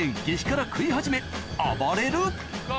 激辛食い始めあばれる！